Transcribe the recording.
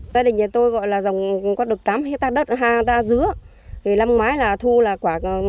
và bây giờ là có một thời điểm là thu hai năm trăm linh một quả